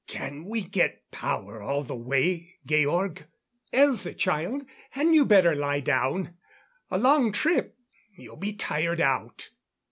"Can we get power all the way, Georg?... Elza child, hadn't you better lie down? A long trip you'll be tired out."